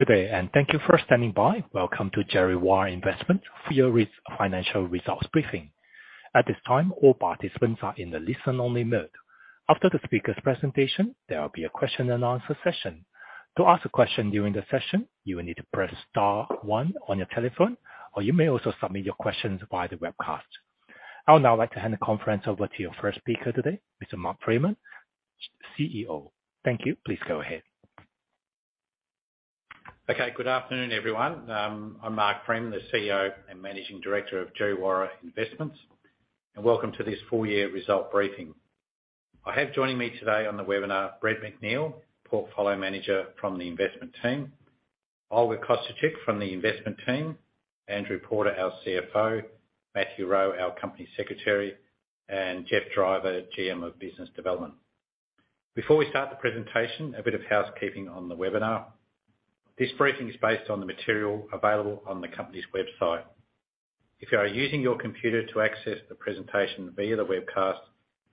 Good day, and thank you for standing by. Welcome to Djerriwarrh Investments full-year financial results briefing. At this time, all participants are in the listen-only mode. After the speaker's presentation, there will be a question and answer session. To ask a question during the session, you will need to press star one on your telephone, or you may also submit your questions via the webcast. I would now like to hand the conference over to your first speaker today, Mr. Mark Freeman, CEO. Thank you. Please go ahead. Okay, good afternoon, everyone. I'm Mark Freeman, the CEO and Managing Director of Djerriwarrh Investments, and welcome to this full-year result briefing. I have joining me today on the webinar, Brett McNeill, Portfolio Manager from the investment team, Olga Kosciuczyk from the investment team, Andrew Porter, our CFO, Matthew Rowe, our Company Secretary, and Jeff Driver, GM of Business Development. Before we start the presentation, a bit of housekeeping on the webinar. This briefing is based on the material available on the company's website. If you are using your computer to access the presentation via the webcast,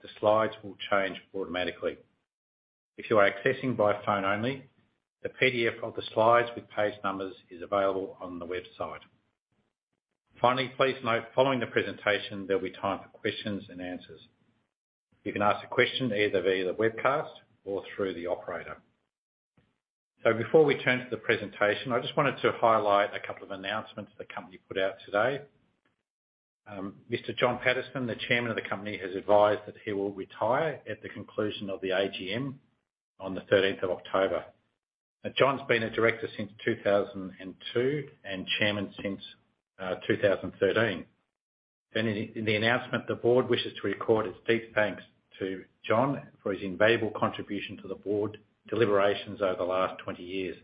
the slides will change automatically. If you are accessing by phone only, the PDF of the slides with page numbers is available on the website. Finally, please note, following the presentation, there'll be time for questions and answers. You can ask a question either via the webcast or through the operator. Before we turn to the presentation, I just wanted to highlight a couple of announcements the company put out today. Mr. John Paterson, the chairman of the company, has advised that he will retire at the conclusion of the AGM on the thirteenth of October. Now, John's been a director since 2002 and chairman since 2013. In the announcement, the board wishes to record its deep thanks to John for his invaluable contribution to the board deliberations over the last 20 years.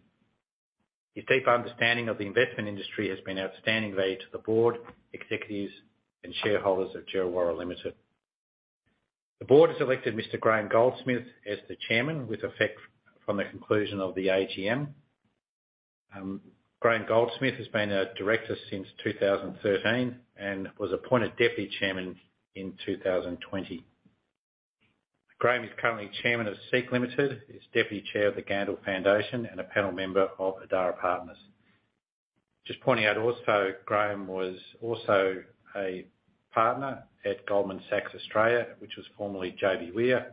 His deep understanding of the investment industry has been outstanding value to the board, executives, and shareholders of Djerriwarrh Limited. The board has elected Mr. Graham Goldsmith as the chairman with effect from the conclusion of the AGM. Graham Goldsmith has been a director since 2013 and was appointed deputy chairman in 2020. Graham is currently chairman of SEEK Limited, is deputy chair of the Gandel Foundation and a panel member of Adara Partners. Just pointing out also, Graham was also a partner at Goldman Sachs Australia, which was formerly JBWere,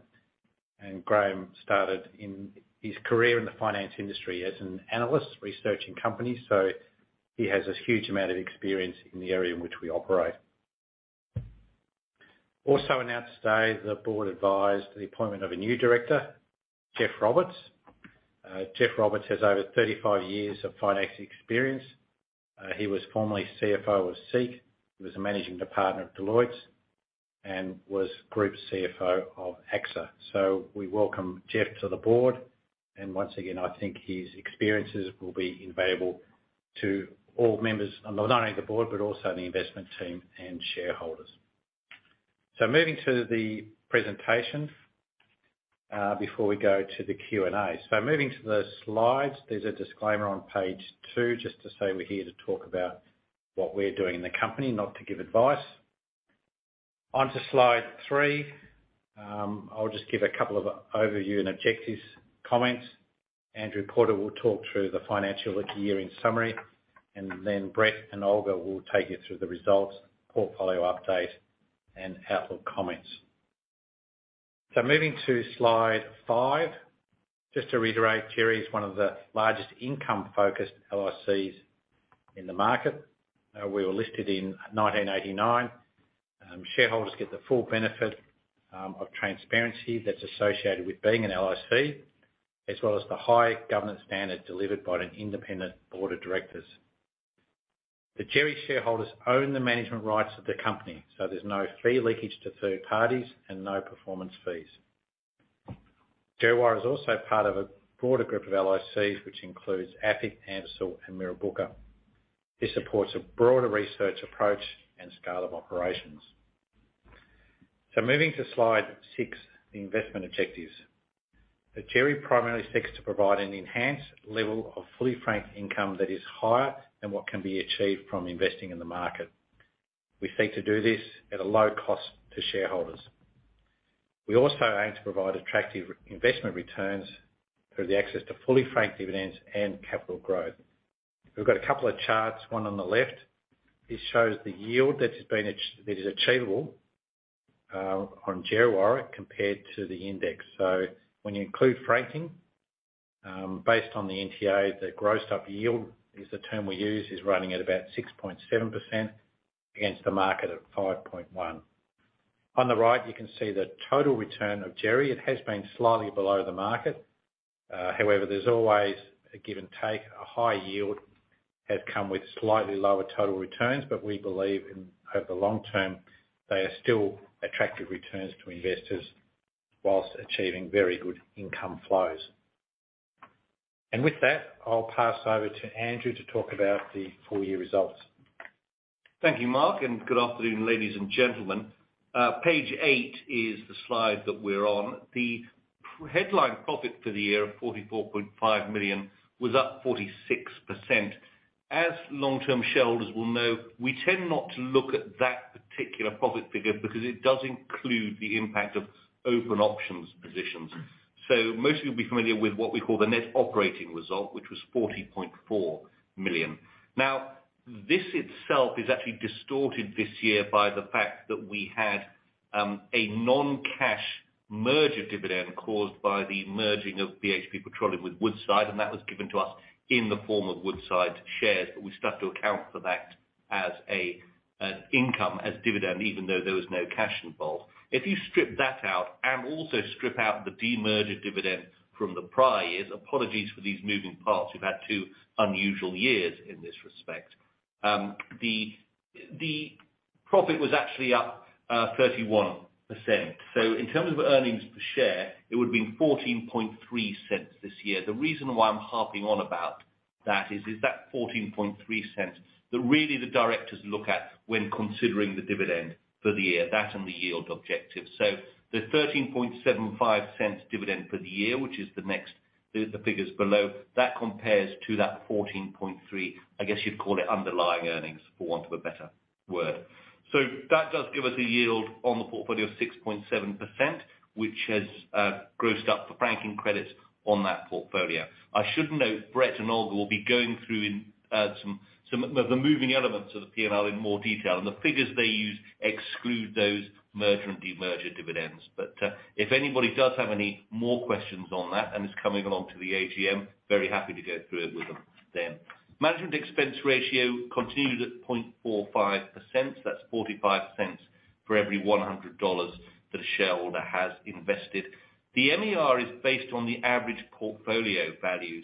and Graham started in his career in the finance industry as an analyst researching companies, so he has this huge amount of experience in the area in which we operate. Also announced today, the board advised the appointment of a new director, Geoff Roberts. Geoff Roberts has over 35 years of finance experience. He was formerly CFO of SEEK. He was a managing partner at Deloitte and was Group CFO of AXA. We welcome Geoff to the board. Once again, I think his experiences will be invaluable to all members of not only the board but also the investment team and shareholders. Moving to the presentation before we go to the Q&A. Moving to the slides, there's a disclaimer on page two just to say we're here to talk about what we're doing in the company, not to give advice. Onto slide three. I'll just give a couple of overview and objectives comments. Andrew Porter will talk through the financial year in summary, and then Brett and Olga will take you through the results, portfolio update, and outlook comments. Moving to slide five, just to reiterate, Djerriwarrh's one of the largest income-focused LICs in the market. We were listed in 1989. Shareholders get the full benefit of transparency that's associated with being an LIC, as well as the high governance standard delivered by an independent board of directors. Djerriwarrh shareholders own the management rights of the company, so there's no fee leakage to third parties and no performance fees. Djerriwarrh is also part of a broader group of LICs, which includes AFIC, AMCIL, and Mirrabooka. This supports a broader research approach and scale of operations. Moving to slide six, the investment objectives. Djerriwarrh primarily seeks to provide an enhanced level of fully franked income that is higher than what can be achieved from investing in the market. We seek to do this at a low cost to shareholders. We also aim to provide attractive investment returns through the access to fully franked dividends and capital growth. We've got a couple of charts, one on the left. This shows the yield that is achievable on Djerriwarrh compared to the index. When you include franking, based on the NTA, the grossed-up yield, is the term we use, is running at about 6.7% against the market at 5.1%. On the right, you can see the total return of Djerriwarrh. It has been slightly below the market. However, there's always a give and take. A high yield has come with slightly lower total returns, but we believe in over the long term, they are still attractive returns to investors whilst achieving very good income flows. With that, I'll pass over to Andrew to talk about the full-year results. Thank you, Mark, and good afternoon, ladies and gentlemen. Page eight is the slide that we're on. The headline profit for the year of 44.5 million was up 46%. As long-term shareholders will know, we tend not to look at that particular profit figure because it does include the impact of open options positions. Most of you will be familiar with what we call the net operating result, which was 40.4 million. Now, this itself is actually distorted this year by the fact that we had a non-cash merger dividend caused by the merging of BHP Petroleum with Woodside, and that was given to us in the form of Woodside shares. We still have to account for that as an income, as dividend, even though there was no cash involved. If you strip that out and also strip out the de-merger dividend from the prior years. Apologies for these moving parts. We've had two unusual years in this respect. The profit was actually up 31%. In terms of earnings per share, it would have been 0.143 this year. The reason why I'm harping on about that is that 0.143 that really the directors look at when considering the dividend for the year, that and the yield objective. The 0.1375 dividend for the year, which is the figures below, that compares to that 0.143, I guess you'd call it underlying earnings, for want of a better word. That does give us a yield on the portfolio of 6.7%, which has grossed up for franking credits on that portfolio. I should note, Brett and Olga will be going through in some of the moving elements of the P&L in more detail, and the figures they use exclude those merger and de-merger dividends. If anybody does have any more questions on that and is coming along to the AGM, very happy to go through it with them then. Management expense ratio continued at 0.45%. That's 0.45 for every 100 dollars that a shareholder has invested. The MER is based on the average portfolio value.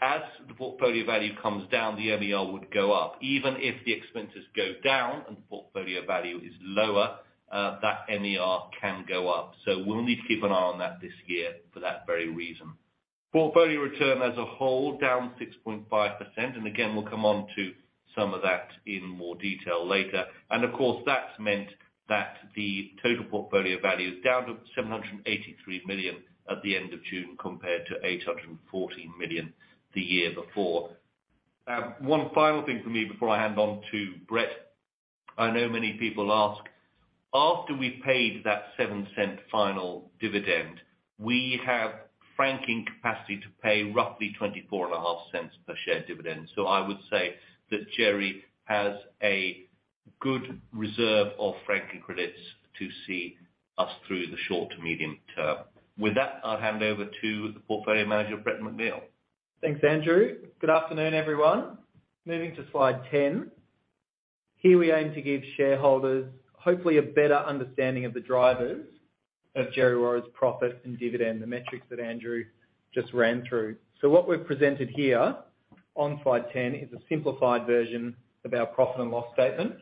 As the portfolio value comes down, the MER would go up. Even if the expenses go down and the portfolio value is lower, that MER can go up. We'll need to keep an eye on that this year for that very reason. Portfolio return as a whole down 6.5%. Again, we'll come on to some of that in more detail later. Of course, that's meant that the total portfolio value is down to 783 million at the end of June compared to 840 million the year before. One final thing for me before I hand over to Brett. I know many people ask, after we paid that 0.07 final dividend, we have franking capacity to pay roughly 0.245 per share dividend. I would say that Djerriwarrh has a good reserve of franking credits to see us through the short to medium term. With that, I'll hand over to the portfolio manager, Brett McNeill. Thanks, Andrew. Good afternoon, everyone. Moving to slide 10. Here we aim to give shareholders hopefully a better understanding of the drivers of Djerriwarrh's profit and dividend, the metrics that Andrew just ran through. What we've presented here on slide 10 is a simplified version of our profit and loss statement.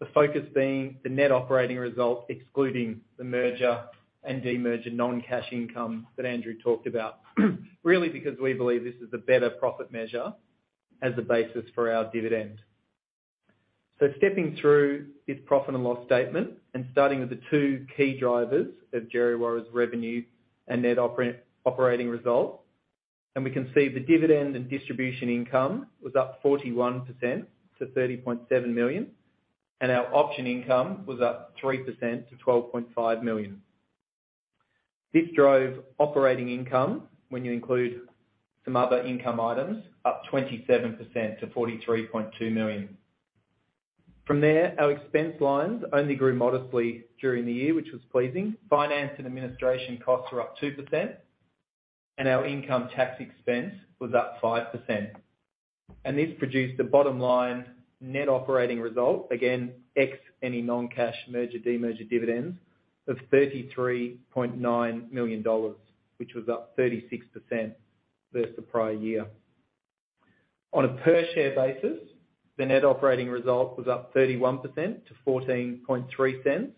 The focus being the net operating result, excluding the merger and de-merger non-cash income that Andrew talked about. Really because we believe this is a better profit measure as a basis for our dividend. Stepping through this profit and loss statement and starting with the two key drivers of Djerriwarrh's revenue and net operating result, and we can see the dividend and distribution income was up 41% to 30.7 million, and our option income was up 3% to 12.5 million. This drove operating income, when you include some other income items, up 27% to 43.2 million. From there, our expense lines only grew modestly during the year, which was pleasing. Finance and administration costs were up 2%, and our income tax expense was up 5%. This produced a bottom-line net operating result, again, ex any non-cash merger, de-merger dividends of 33.9 million dollars, which was up 36% versus the prior year. On a per share basis, the net operating result was up 31% to 0.143,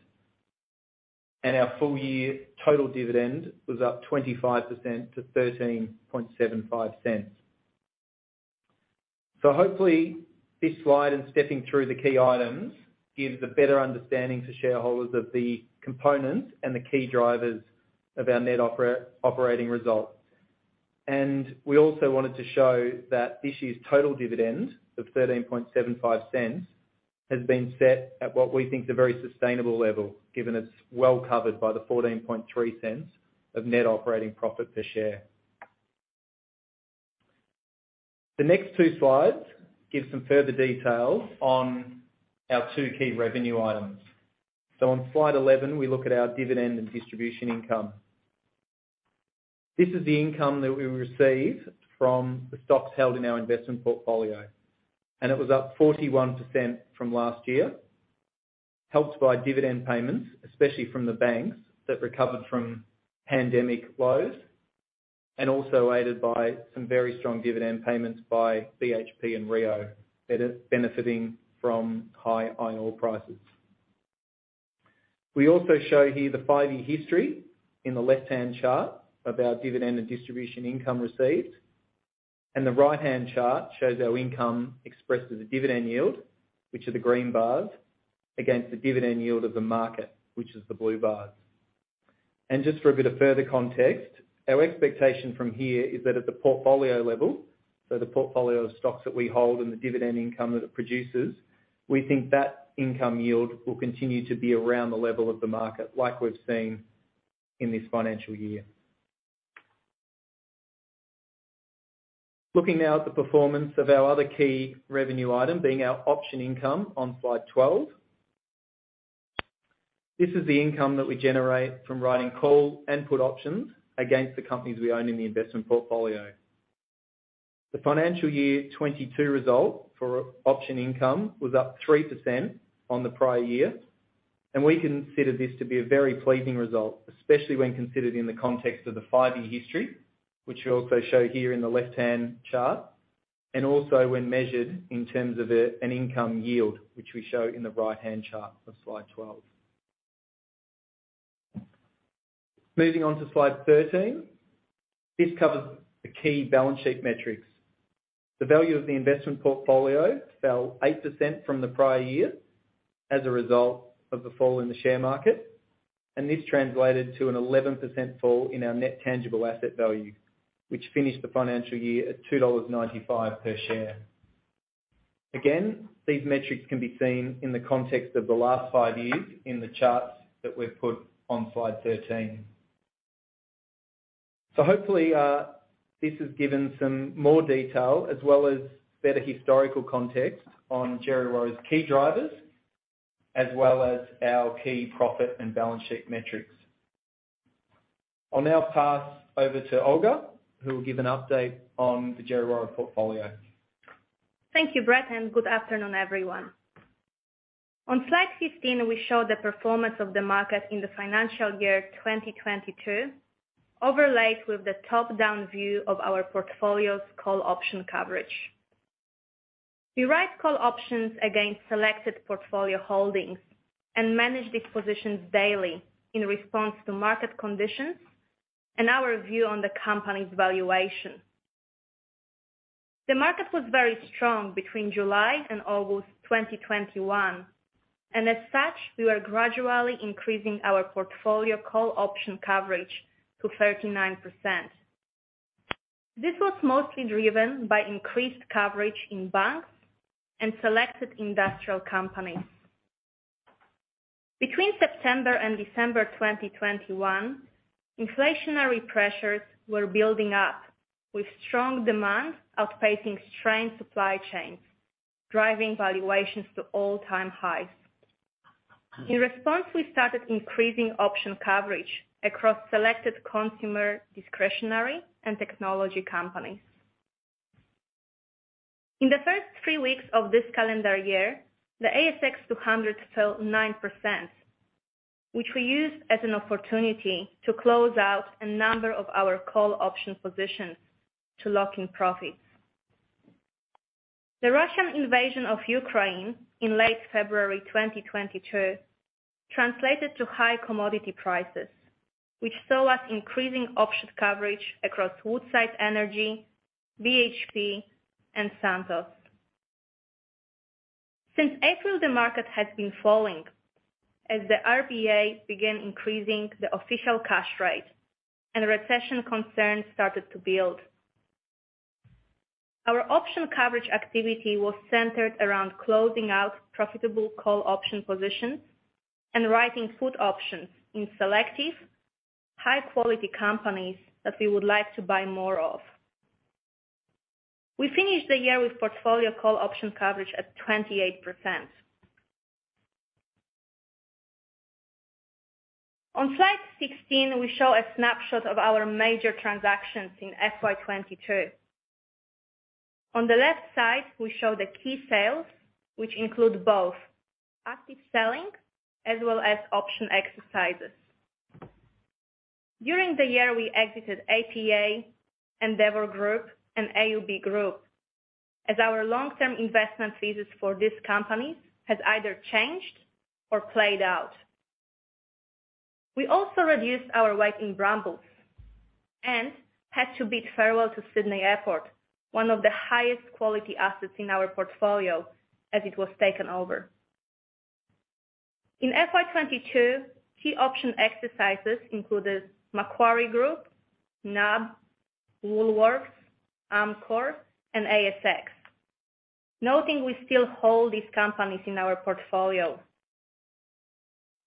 and our full year total dividend was up 25% to 0.1375. Hopefully this slide and stepping through the key items gives a better understanding to shareholders of the components and the key drivers of our net operating results. We also wanted to show that this year's total dividend of 0.1375 has been set at what we think is a very sustainable level, given it's well covered by the 0.143 of net operating profit per share. The next two slides give some further details on our two key revenue items. On slide 11, we look at our dividend and distribution income. This is the income that we receive from the stocks held in our investment portfolio, and it was up 41% from last year, helped by dividend payments, especially from the banks that recovered from pandemic lows, and also aided by some very strong dividend payments by BHP and Rio, benefiting from high iron ore prices. We also show here the five-year history in the left-hand chart of our dividend and distribution income received. The right-hand chart shows our income expressed as a dividend yield, which are the green bars, against the dividend yield of the market, which is the blue bars. Just for a bit of further context, our expectation from here is that at the portfolio level, so the portfolio of stocks that we hold and the dividend income that it produces, we think that income yield will continue to be around the level of the market, like we've seen in this financial year. Looking now at the performance of our other key revenue item being our option income on slide 12. This is the income that we generate from writing call and put options against the companies we own in the investment portfolio. The financial year 2022 result for option income was up 3% on the prior year, and we consider this to be a very pleasing result, especially when considered in the context of the five-year history, which we also show here in the left-hand chart, and also when measured in terms of an income yield, which we show in the right-hand chart of slide 12. Moving on to slide 13. This covers the key balance sheet metrics. The value of the investment portfolio fell 8% from the prior year as a result of the fall in the share market, and this translated to an 11% fall in our net tangible asset value, which finished the financial year at 2.95 dollars per share. Again, these metrics can be seen in the context of the last five years in the charts that we've put on slide 13. Hopefully, this has given some more detail as well as better historical context on Djerriwarrh's key drivers, as well as our key profit and balance sheet metrics. I'll now pass over to Olga, who will give an update on the Djerriwarrh portfolio. Thank you, Brett, and good afternoon, everyone. On slide 15, we show the performance of the market in the financial year 2022, overlaid with the top-down view of our portfolio's call option coverage. We write call options against selected portfolio holdings and manage these positions daily in response to market conditions and our view on the company's valuation. The market was very strong between July and August 2021, and as such, we were gradually increasing our portfolio call option coverage to 39%. This was mostly driven by increased coverage in banks and selected industrial companies. Between September and December 2021, inflationary pressures were building up, with strong demand outpacing strained supply chains, driving valuations to all-time highs. In response, we started increasing option coverage across selected consumer discretionary and technology companies. In the first three weeks of this calendar year, the ASX 200 fell 9%, which we used as an opportunity to close out a number of our call option positions to lock in profits. The Russian invasion of Ukraine in late February 2022 translated to high commodity prices, which saw us increasing option coverage across Woodside Energy, BHP and Santos. Since April, the market has been falling as the RBA began increasing the official cash rate and recession concerns started to build. Our option coverage activity was centered around closing out profitable call option positions and writing put options in selective high-quality companies that we would like to buy more of. We finished the year with portfolio call option coverage at 28%. On slide 16, we show a snapshot of our major transactions in FY 22. On the left side, we show the key sales, which include both active selling as well as option exercises. During the year, we exited APA, Endeavour Group and AUB Group as our long-term investment thesis for these companies has either changed or played out. We also reduced our weight in Brambles and had to bid farewell to Sydney Airport, one of the highest quality assets in our portfolio, as it was taken over. In FY22, key option exercises included Macquarie Group, NAB, Woolworths, Amcor and ASX. Noting we still hold these companies in our portfolio.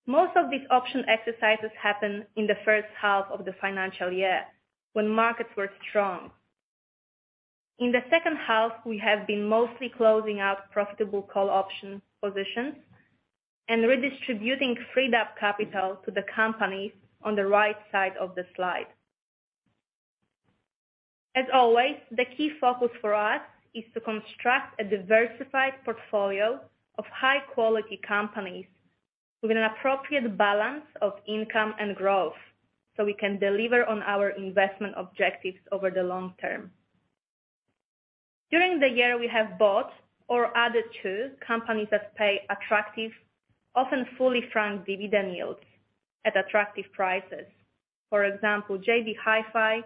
Most of these option exercises happened in the first half of the financial year when markets were strong. In the second half, we have been mostly closing out profitable call option positions and redistributing freed-up capital to the companies on the right side of the slide. As always, the key focus for us is to construct a diversified portfolio of high-quality companies with an appropriate balance of income and growth, so we can deliver on our investment objectives over the long term. During the year, we have bought or added to companies that pay attractive, often fully franked dividend yields at attractive prices. For example, JB Hi-Fi,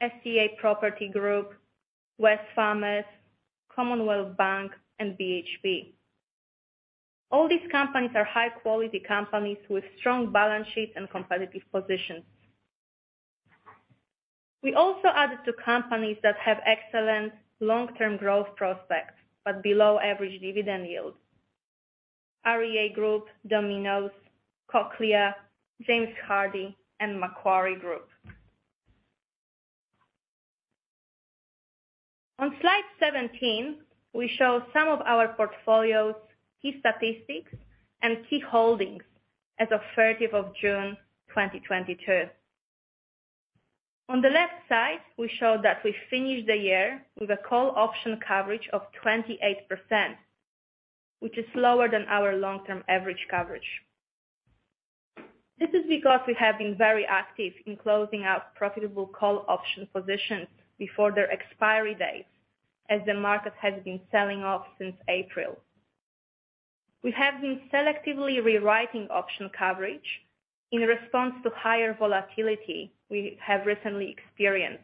SCA Property Group, Wesfarmers, Commonwealth Bank and BHP. All these companies are high quality companies with strong balance sheets and competitive positions. We also added to companies that have excellent long-term growth prospects, but below average dividend yields. REA Group, Domino's, Cochlear, James Hardie, and Macquarie Group. On slide 17, we show some of our portfolio's key statistics and key holdings as of 30 June 2022. On the left side, we show that we finished the year with a call option coverage of 28%, which is lower than our long-term average coverage. This is because we have been very active in closing out profitable call option positions before their expiry dates, as the market has been selling off since April. We have been selectively rewriting option coverage in response to higher volatility we have recently experienced.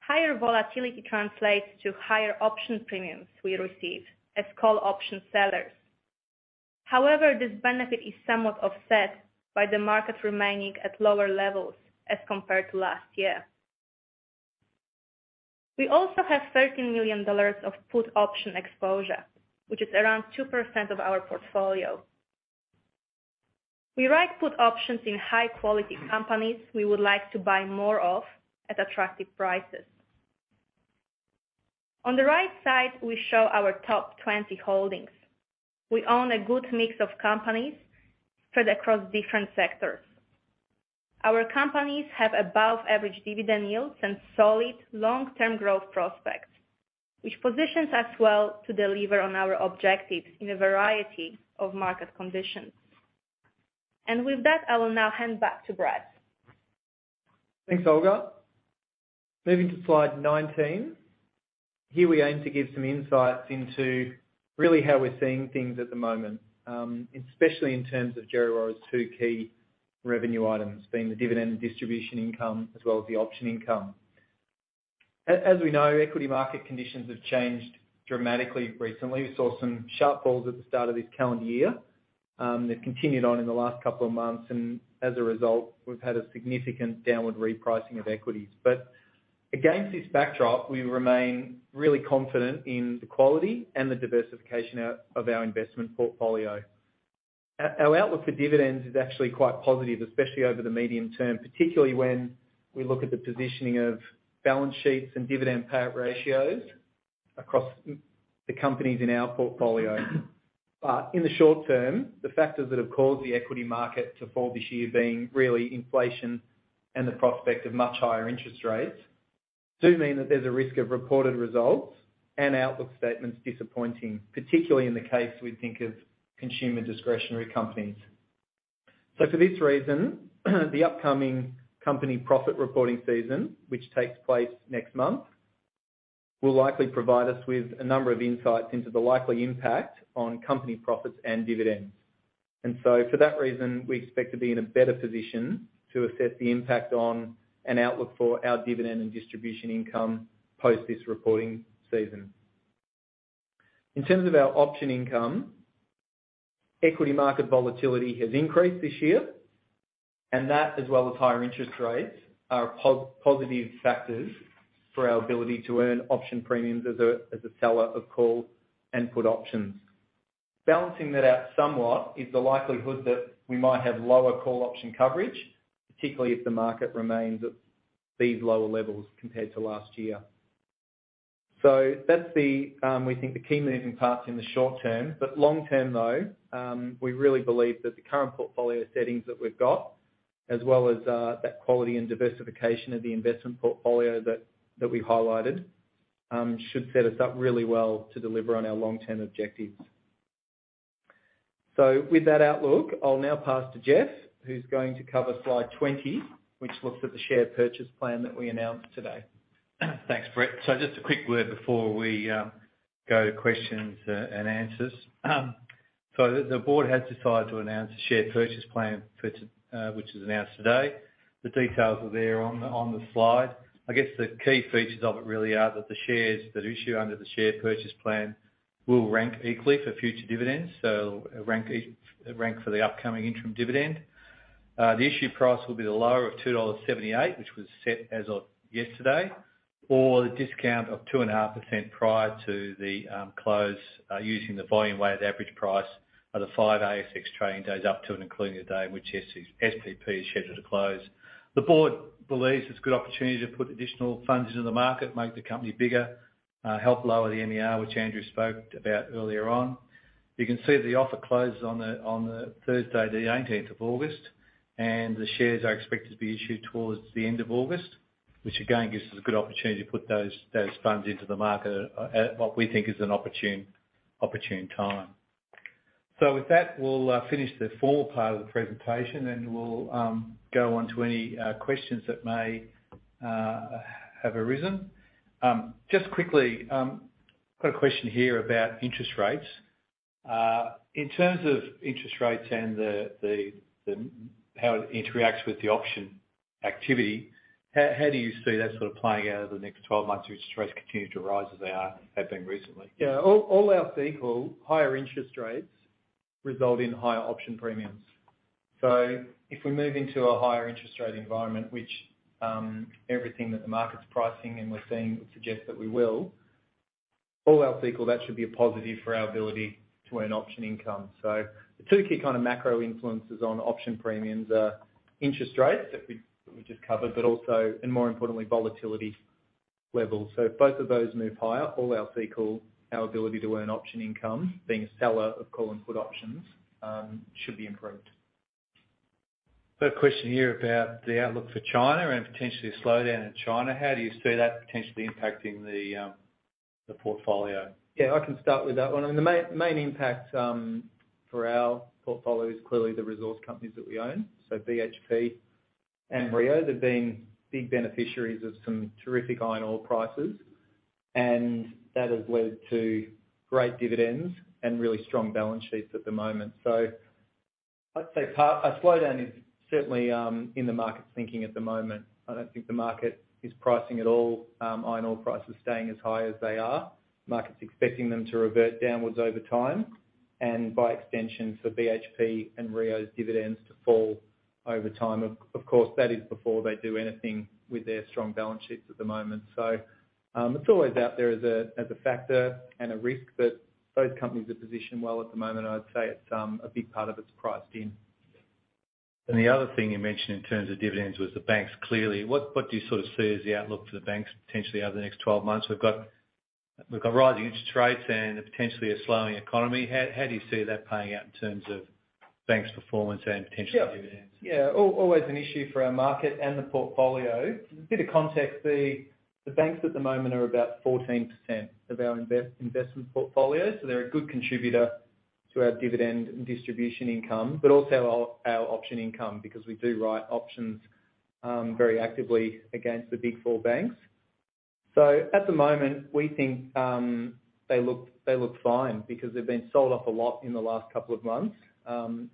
Higher volatility translates to higher option premiums we receive as call option sellers. However, this benefit is somewhat offset by the market remaining at lower levels as compared to last year. We also have 13 million dollars of put option exposure, which is around 2% of our portfolio. We write put options in high quality companies we would like to buy more of at attractive prices. On the right side, we show our top 20 holdings. We own a good mix of companies spread across different sectors. Our companies have above average dividend yields and solid long-term growth prospects, which positions us well to deliver on our objectives in a variety of market conditions. With that, I will now hand back to Brett. Thanks, Olga. Moving to slide 19. Here we aim to give some insights into really how we're seeing things at the moment, especially in terms of Djerriwarrh's two key revenue items, being the dividend and distribution income as well as the option income. As we know, equity market conditions have changed dramatically recently. We saw some sharp falls at the start of this calendar year, that continued on in the last couple of months, and as a result, we've had a significant downward repricing of equities. Against this backdrop, we remain really confident in the quality and the diversification of our investment portfolio. Our outlook for dividends is actually quite positive, especially over the medium term, particularly when we look at the positioning of balance sheets and dividend payout ratios across the companies in our portfolio. In the short term, the factors that have caused the equity market to fall this year being really inflation and the prospect of much higher interest rates, do mean that there's a risk of reported results and outlook statements disappointing, particularly in the case we think of consumer discretionary companies. For this reason, the upcoming company profit reporting season, which takes place next month, will likely provide us with a number of insights into the likely impact on company profits and dividends. For that reason, we expect to be in a better position to assess the impact on an outlook for our dividend and distribution income post this reporting season. In terms of our option income, equity market volatility has increased this year, and that, as well as higher interest rates, are positive factors for our ability to earn option premiums as a seller of call and put options. Balancing that out somewhat is the likelihood that we might have lower call option coverage, particularly if the market remains at these lower levels compared to last year. That's the, we think, the key moving parts in the short term. Long term though, we really believe that the current portfolio settings that we've got, as well as, that quality and diversification of the investment portfolio that we've highlighted, should set us up really well to deliver on our long-term objectives. With that outlook, I'll now pass to Jeff, who's going to cover slide 20, which looks at the share purchase plan that we announced today. Thanks, Brett. Just a quick word before we go to questions and answers. The board has decided to announce a share purchase plan, which is announced today. The details are there on the slide. I guess the key features of it really are that the shares that issue under the share purchase plan will rank equally for future dividends. It will rank for the upcoming interim dividend. The issue price will be the lower of 2.78 dollars, which was set as of yesterday, or the discount of 2.5% prior to the close, using the volume-weighted average price of the five ASX trading days up to and including the day on which SPP is scheduled to close. The board believes it's a good opportunity to put additional funds into the market, make the company bigger, help lower the MER, which Andrew spoke about earlier on. You can see the offer closes on the Thursday, the eighteenth of August. The shares are expected to be issued towards the end of August, which again gives us a good opportunity to put those funds into the market at what we think is an opportune time. With that, we'll finish the formal part of the presentation, and we'll go on to any questions that may have arisen. Just quickly, got a question here about interest rates. In terms of interest rates and the How it interacts with the option activity, how do you see that sort of playing out over the next 12 months if interest rates continue to rise as they are, have been recently? All else being equal, higher interest rates result in higher option premiums. If we move into a higher interest rate environment, which, everything that the market's pricing and we're seeing would suggest that we will, all else being equal, that should be a positive for our ability to earn option income. The two key kind of macro influences on option premiums are interest rates that we just covered, but also, and more importantly, volatility levels. If both of those move higher, all else being equal, our ability to earn option income, being a seller of call and put options, should be improved. Got a question here about the outlook for China and potentially a slowdown in China. How do you see that potentially impacting the portfolio? Yeah, I can start with that one. I mean, the main impact for our portfolio is clearly the resource companies that we own. BHP and Rio, they've been big beneficiaries of some terrific iron ore prices, and that has led to great dividends and really strong balance sheets at the moment. I'd say a slowdown is certainly in the market's thinking at the moment. I don't think the market is pricing at all iron ore prices staying as high as they are. Market's expecting them to revert downwards over time, and by extension, for BHP and Rio's dividends to fall over time. Of course, that is before they do anything with their strong balance sheets at the moment. It's always out there as a factor and a risk, but both companies are positioned well at the moment, and I'd say it's a big part of it is priced in. The other thing you mentioned in terms of dividends was the banks, clearly. What do you sort of see as the outlook for the banks potentially over the next 12 months? We've got rising interest rates and potentially a slowing economy. How do you see that playing out in terms of banks' performance and potential dividends? Yeah. Yeah, always an issue for our market and the portfolio. A bit of context, the banks at the moment are about 14% of our investment portfolio, so they're a good contributor to our dividend and distribution income, but also our option income, because we do write options very actively against the big four banks. At the moment, we think they look fine because they've been sold off a lot in the last couple of months,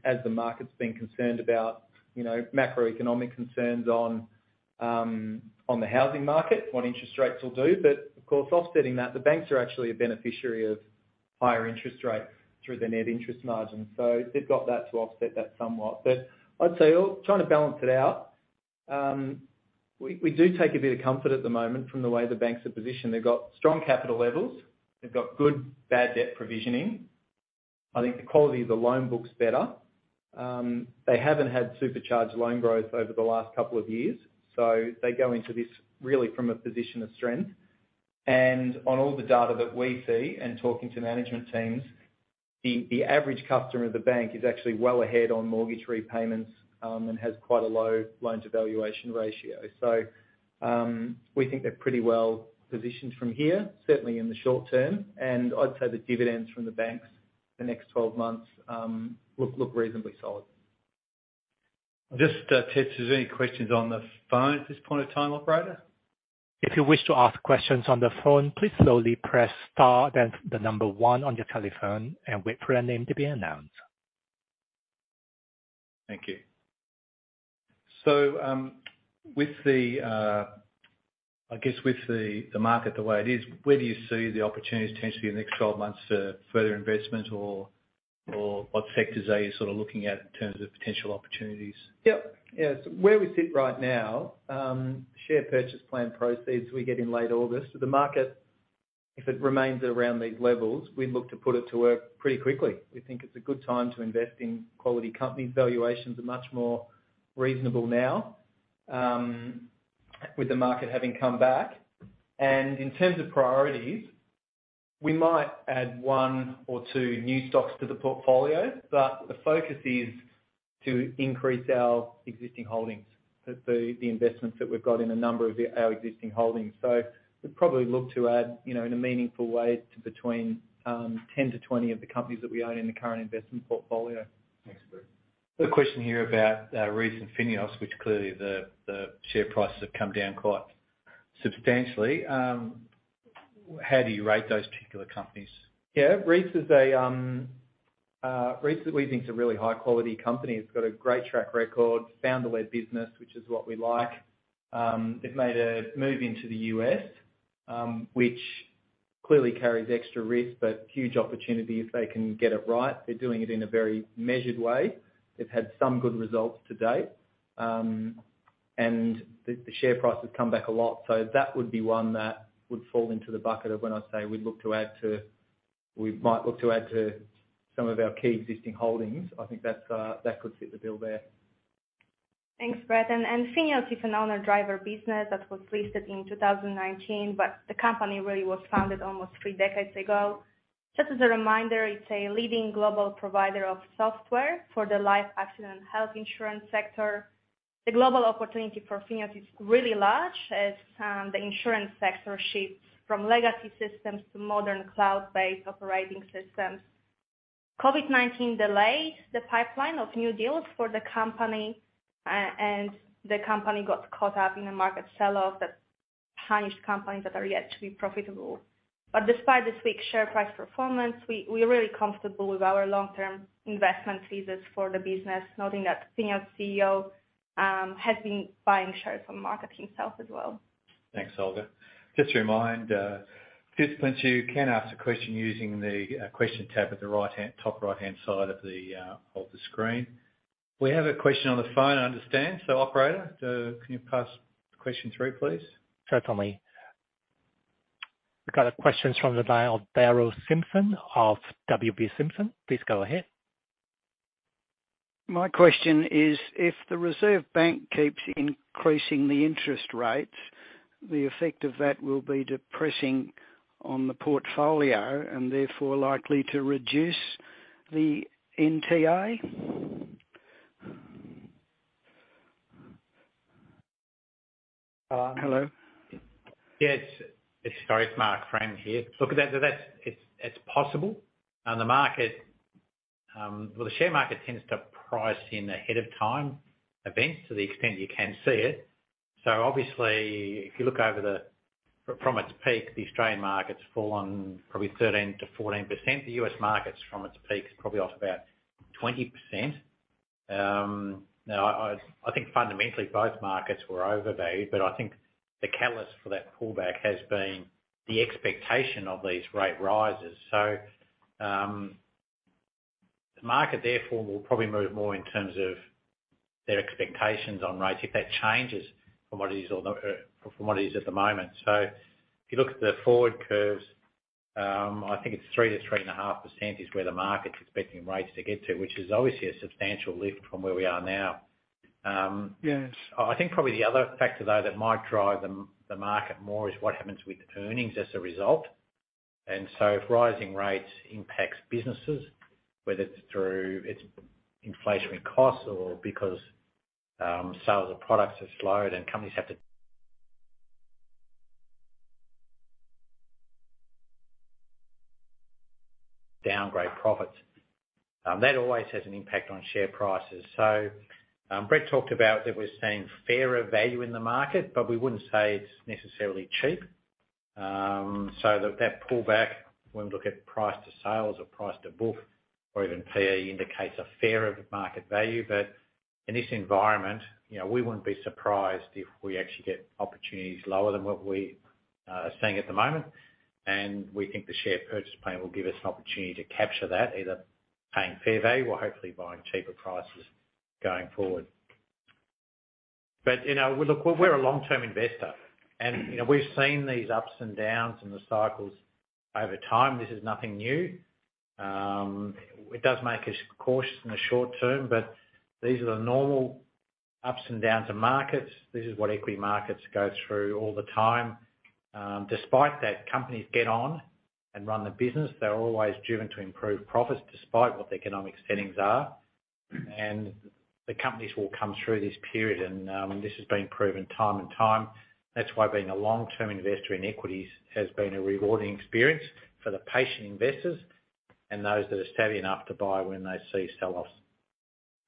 as the market's been concerned about, you know, macroeconomic concerns on the housing market, what interest rates will do. Of course, offsetting that, the banks are actually a beneficiary of higher interest rates through their net interest margins. They've got that to offset that somewhat. I'd say all. Trying to balance it out, we do take a bit of comfort at the moment from the way the banks are positioned. They've got strong capital levels. They've got good bad debt provisioning. I think the quality of the loan book is better. They haven't had supercharged loan growth over the last couple of years, so they go into this really from a position of strength. On all the data that we see and talking to management teams, the average customer of the bank is actually well ahead on mortgage repayments, and has quite a low loan-to-value ratio. We think they're pretty well positioned from here, certainly in the short term. I'd say the dividends from the banks the next 12 months look reasonably solid. Just, test if there's any questions on the phone at this point of time, operator. If you wish to ask questions on the phone, please slowly press star then one on your telephone and wait for your name to be announced. Thank you. With the market the way it is, where do you see the opportunities potentially in the next 12 months for further investment or what sectors are you sort of looking at in terms of potential opportunities? Yes. Where we sit right now, share purchase plan proceeds we get in late August. The market, if it remains around these levels, we'd look to put it to work pretty quickly. We think it's a good time to invest in quality companies. Valuations are much more reasonable now, with the market having come back. In terms of priorities, we might add one or two new stocks to the portfolio, but the focus is to increase our existing holdings, the investments that we've got in a number of our existing holdings. We'd probably look to add, you know, in a meaningful way to between 10-20 of the companies that we own in the current investment portfolio. Thanks, Brett. Got a question here about Reece and Fineos, which clearly the share prices have come down quite substantially. How do you rate those particular companies? Yeah. Reece we think is a really high-quality company. It's got a great track record, founder-led business, which is what we like. They've made a move into the U.S., which clearly carries extra risk, but huge opportunity if they can get it right. They're doing it in a very measured way. They've had some good results to date, and the share price has come back a lot. That would be one that would fall into the bucket of when I say we'd look to add to, we might look to add to some of our key existing holdings. I think that could fit the bill there. Thanks, Brett. Fineos is an owner-driver business that was listed in 2019, but the company really was founded almost three decades ago. Just as a reminder, it's a leading global provider of software for the life, accident and health insurance sector. The global opportunity for Fineos is really large as the insurance sector shifts from legacy systems to modern cloud-based operating systems. COVID-19 delayed the pipeline of new deals for the company, and the company got caught up in a market sell-off that. Punished companies that are yet to be profitable. Despite this weak share price performance, we are really comfortable with our long-term investment thesis for the business, noting that CSL CEO has been buying shares from the market himself as well. Thanks, Olga. Just a reminder, participants, you can ask a question using the question tab at the top right-hand side of the screen. We have a question on the phone, I understand. Operator, can you pass the question through, please? Sure, Tommy. We've got a question from the line of Darrell Simpson of W.B. Simpson. Please go ahead. My question is, if the Reserve Bank keeps increasing the interest rates, the effect of that will be depressing on the portfolio and therefore likely to reduce the NTA. Hello? Yes. It's Mark Freeman here. Look, that's possible. The market, the share market tends to price in ahead of time events to the extent you can see it. Obviously, if you look from its peak, the Australian market's fallen probably 13%-14%. The U.S. market's from its peak probably off about 20%. Now, I think fundamentally, both markets were overvalued, but I think the catalyst for that pullback has been the expectation of these rate rises. The market therefore will probably move more in terms of their expectations on rates if that changes from what it is or from what it is at the moment. If you look at the forward curves, I think it's 3%-3.5% is where the market's expecting rates to get to, which is obviously a substantial lift from where we are now. Yes. I think probably the other factor, though, that might drive the market more is what happens with earnings as a result. If rising rates impacts businesses, whether it's through its inflationary costs or because sales of products have slowed and companies have to downgrade profits. That always has an impact on share prices. Brett talked about that we're seeing fairer value in the market, but we wouldn't say it's necessarily cheap. That pullback, when we look at price to sales or price to book or even PE indicates a fairer market value. In this environment, you know, we wouldn't be surprised if we actually get opportunities lower than what we are seeing at the moment. We think the share purchase plan will give us an opportunity to capture that, either paying fair value or hopefully buying cheaper prices going forward. You know, we're a long-term investor. You know, we've seen these ups and downs in the cycles over time. This is nothing new. It does make us cautious in the short term, but these are the normal ups and downs of markets. This is what equity markets go through all the time. Despite that, companies get on and run the business. They're always driven to improve profits despite what the economic settings are. The companies will come through this period. This has been proven time and time. That's why being a long-term investor in equities has been a rewarding experience for the patient investors and those that are steady enough to buy when they see sell-offs.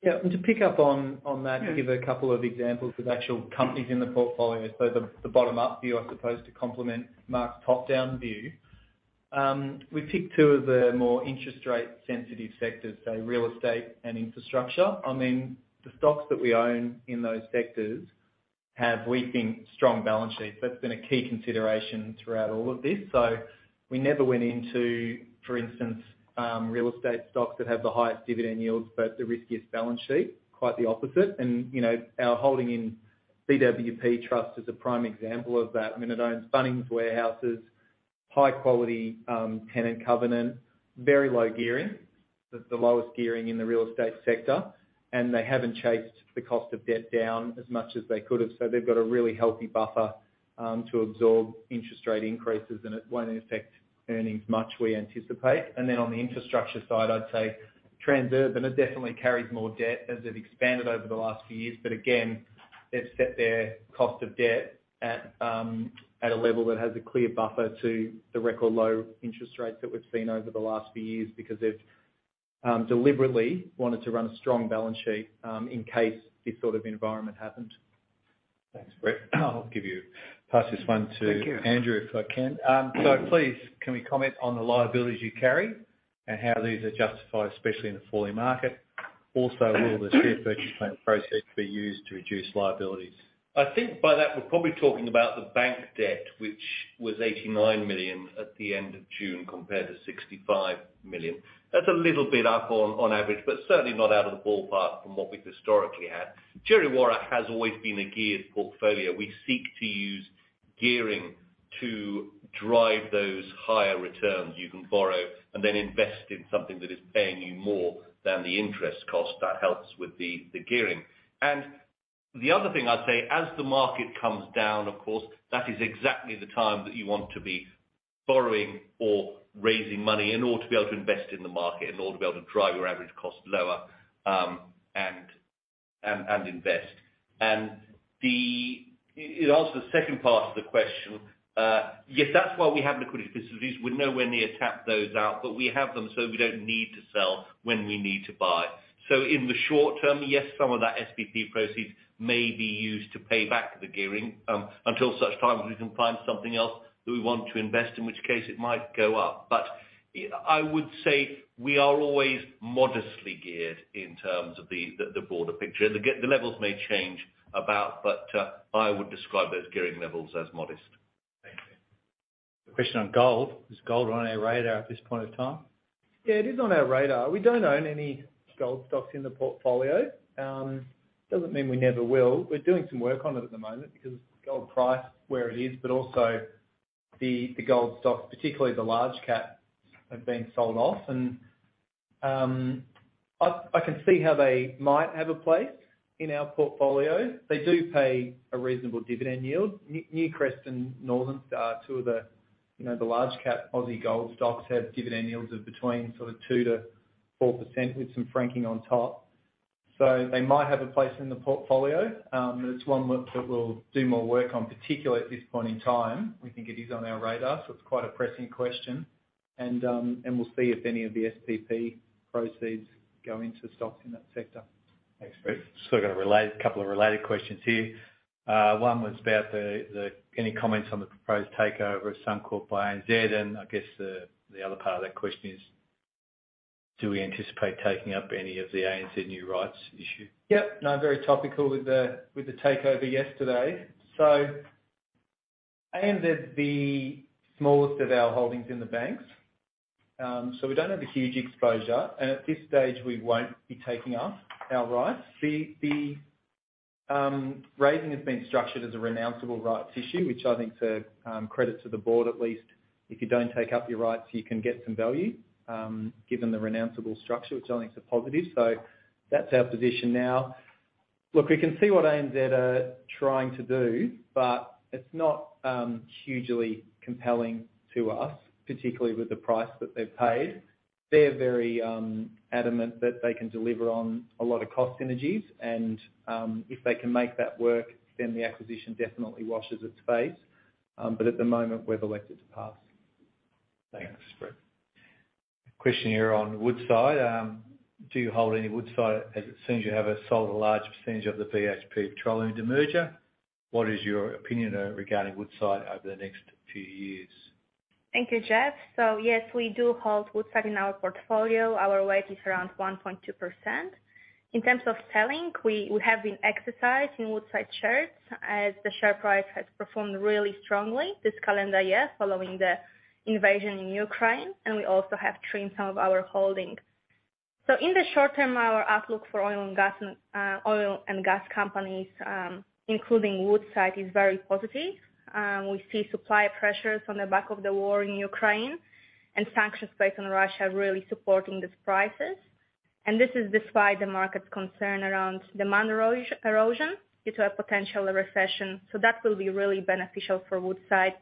Yeah. To pick up on that and give a couple of examples of actual companies in the portfolio. The bottom-up view, I suppose, to complement Mark's top-down view. We picked two of the more interest rate sensitive sectors, so real estate and infrastructure. I mean, the stocks that we own in those sectors have, we think, strong balance sheets. That's been a key consideration throughout all of this. We never went into, for instance, real estate stocks that have the highest dividend yields, but the riskiest balance sheet, quite the opposite. You know, our holding in BWP Trust is a prime example of that. I mean, it owns Bunnings Warehouse, high quality tenant covenant, very low gearing. The lowest gearing in the real estate sector, and they haven't chased the cost of debt down as much as they could have. They've got a really healthy buffer to absorb interest rate increases, and it won't affect earnings much, we anticipate. On the infrastructure side, I'd say Transurban has definitely carried more debt as it expanded over the last few years. Again, they've set their cost of debt at a level that has a clear buffer to the record low interest rates that we've seen over the last few years because they've deliberately wanted to run a strong balance sheet in case this sort of environment happened. Thanks, Brett. Pass this one to Andrew, if I can. Please, can we comment on the liabilities you carry and how these are justified, especially in the falling market? Also, will the share purchase plan process be used to reduce liabilities? I think by that, we're probably talking about the bank debt, which was 89 million at the end of June, compared to 65 million. That's a little bit up on average, but certainly not out of the ballpark from what we've historically had. Djerriwarrh has always been a geared portfolio. We seek to use gearing to drive those higher returns. You can borrow and then invest in something that is paying you more than the interest cost. That helps with the gearing. The other thing I'd say, as the market comes down, of course, that is exactly the time that you want to be borrowing or raising money in order to be able to invest in the market, in order to be able to drive your average cost lower, and invest. In answer to the second part of the question, yes, that's why we have liquidity facilities. We're nowhere near tapping those out, but we have them so we don't need to sell when we need to buy. In the short term, yes, some of that SPP proceeds may be used to pay back the gearing, until such time as we can find something else that we want to invest, in which case it might go up. I would say we are always modestly geared in terms of the broader picture. The levels may change about, but I would describe those gearing levels as modest. Thank you. Question on gold. Is gold on our radar at this point in time? Yeah, it is on our radar. We don't own any gold stocks in the portfolio. It doesn't mean we never will. We're doing some work on it at the moment because gold price where it is, but also the gold stocks, particularly the large cap, have been sold off. I can see how they might have a place in our portfolio. They do pay a reasonable dividend yield. Newcrest and Northern Star, two of the, you know, the large cap Aussie gold stocks have dividend yields of between sort of 2%-4% with some franking on top. They might have a place in the portfolio, but it's one that we'll do more work on, particularly at this point in time. We think it is on our radar. It's quite a pressing question. We'll see if any of the SPP proceeds go into stocks in that sector. Thanks, Brett. Still got a couple of related questions here. One was about any comments on the proposed takeover of Suncorp by ANZ? I guess the other part of that question is, do we anticipate taking up any of the ANZ new rights issue? Yeah. No, very topical with the takeover yesterday. ANZ is the smallest of our holdings in the banks. We don't have a huge exposure, and at this stage we won't be taking up our rights. The raising has been structured as a renounceable rights issue, which I think to credit to the board at least, if you don't take up your rights, you can get some value given the renounceable structure, which I think is a positive. That's our position now. Look, we can see what ANZ are trying to do, but it's not hugely compelling to us, particularly with the price that they've paid. They're very adamant that they can deliver on a lot of cost synergies and if they can make that work, then the acquisition definitely washes its face. At the moment, we've elected to pass. Thanks, Brett. Question here on Woodside. Do you hold any Woodside as it seems you have a solid, large percentage of the BHP petroleum demerger? What is your opinion regarding Woodside over the next few years? Thank you, Jeff. Yes, we do hold Woodside in our portfolio. Our weight is around 1.2%. In terms of selling, we have been exercising Woodside shares as the share price has performed really strongly this calendar year following the invasion in Ukraine, and we also have trimmed some of our holdings. In the short term, our outlook for oil and gas and oil and gas companies, including Woodside, is very positive. We see supply pressures on the back of the war in Ukraine and sanctions based on Russia really supporting these prices. This is despite the market's concern around demand erosion due to a potential recession. That will be really beneficial for Woodside,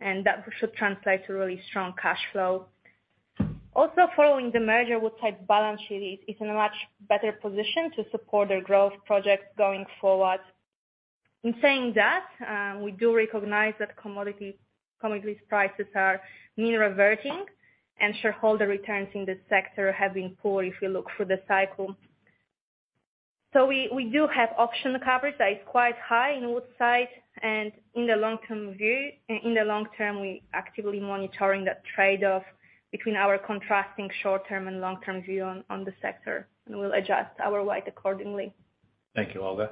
and that should translate to really strong cash flow. Also, following the merger, Woodside's balance sheet is in a much better position to support their growth projects going forward. In saying that, we do recognize that commodities prices are mean reverting and shareholder returns in this sector have been poor if you look for the cycle. We do have option coverage that is quite high in Woodside and in the long-term view in the long term, we actively monitoring that trade-off between our contrasting short-term and long-term view on the sector, and we'll adjust our weight accordingly. Thank you, Olga.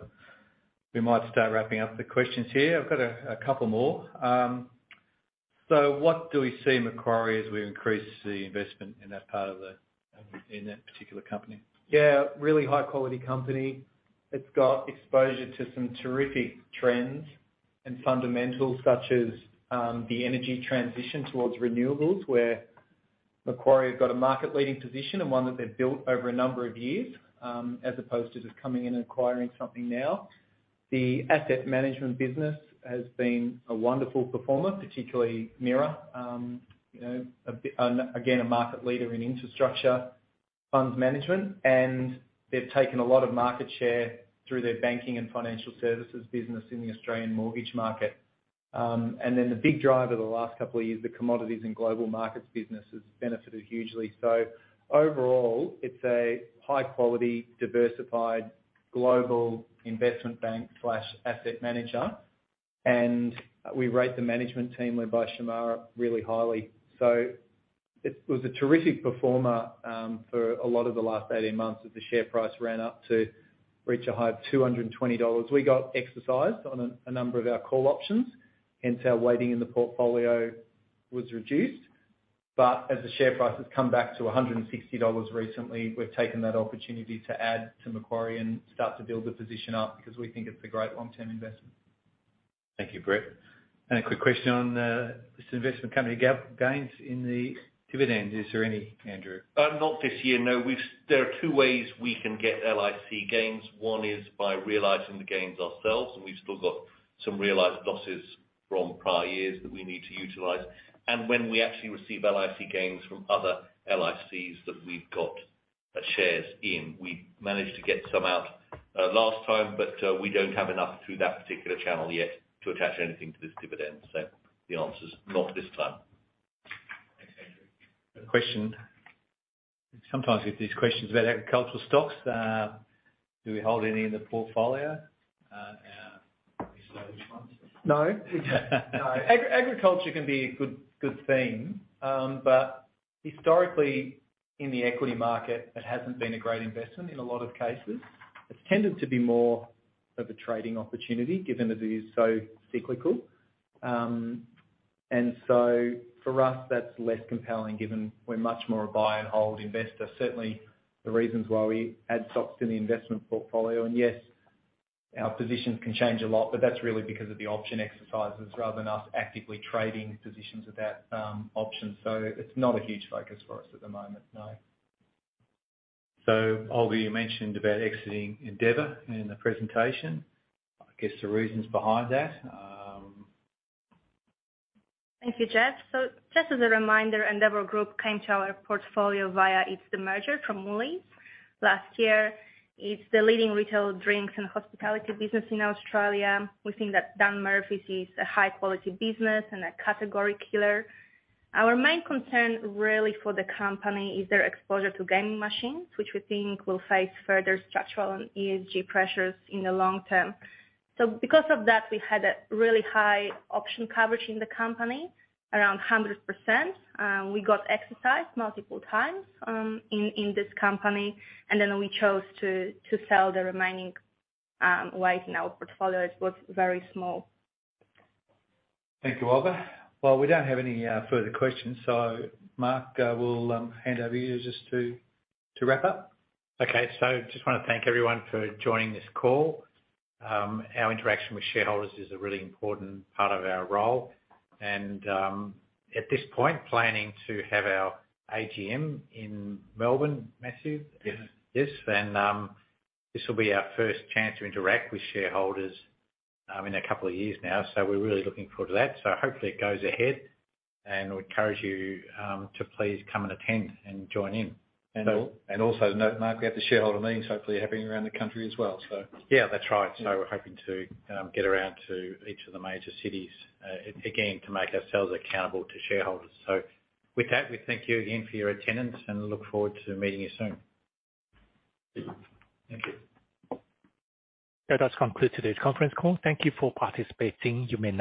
We might start wrapping up the questions here. I've got a couple more. What do we see in Macquarie as we increase the investment in that part of the, in that particular company? Yeah, really high quality company. It's got exposure to some terrific trends and fundamentals such as, the energy transition towards renewables, where Macquarie has got a market-leading position and one that they've built over a number of years, as opposed to just coming in and acquiring something now. The asset management business has been a wonderful performer, particularly MIRA. You know, again, a market leader in infrastructure funds management, and they've taken a lot of market share through their banking and financial services business in the Australian mortgage market. And then the big driver the last couple of years, the commodities and global markets business has benefited hugely. So overall, it's a high quality, diversified global investment bank/asset manager, and we rate the management team led by Shemara really highly. It was a terrific performer for a lot of the last 18 months as the share price ran up to reach a high of 220 dollars. We got exercised on a number of our call options, hence our weighting in the portfolio was reduced. As the share price has come back to 160 dollars recently, we've taken that opportunity to add to Macquarie and start to build the position up because we think it's a great long-term investment. Thank you, Brett. A quick question on this investment company, capital gains in the dividends. Is there any, Andrew? Not this year, no. There are two ways we can get LIC gains. One is by realizing the gains ourselves, and we've still got some realized losses from prior years that we need to utilize. When we actually receive LIC gains from other LICs that we've got shares in. We managed to get some out. last time, but, we don't have enough through that particular channel yet to attach anything to this dividend. The answer is not this time. Thanks, Andrew. Question. Sometimes with these questions about agricultural stocks, do we hold any in the portfolio? Yeah. No. No. Agriculture can be a good theme. Historically, in the equity market, it hasn't been a great investment in a lot of cases. It's tended to be more of a trading opportunity, given that it is so cyclical. For us, that's less compelling, given we're much more a buy and hold investor. Certainly, the reasons why we add stocks to the investment portfolio, and yes, our positions can change a lot, but that's really because of the option exercises rather than us actively trading positions of that option. It's not a huge focus for us at the moment, no. Olga, you mentioned about exiting Endeavour in the presentation. I guess the reasons behind that? Thank you, Jeff. Just as a reminder, Endeavour Group came to our portfolio via its demerger from Woolworths last year. It's the leading retail drinks and hospitality business in Australia. We think that Dan Murphy's is a high-quality business and a category killer. Our main concern really for the company is their exposure to gaming machines, which we think will face further structural and ESG pressures in the long term. Because of that, we had a really high option coverage in the company, around 100%. We got exercised multiple times in this company, and then we chose to sell the remaining weight in our portfolio. It was very small. Thank you, Olga. Well, we don't have any further questions, so Mark, I will hand over you just to wrap up. Okay. Just want to thank everyone for joining this call. Our interaction with shareholders is a really important part of our role, and at this point planning to have our AGM in Melbourne, Matthew? Yes. Yes. This will be our first chance to interact with shareholders in a couple of years now, so we're really looking forward to that. Hopefully it goes ahead, and encourage you to please come and attend and join in. Note, Mark, we have the shareholder meetings hopefully happening around the country as well, so. Yeah, that's right. We're hoping to get around to each of the major cities, again, to make ourselves accountable to shareholders. With that, we thank you again for your attendance, and look forward to meeting you soon. Thank you. Thank you. That does conclude today's conference call. Thank you for participating. You may dis-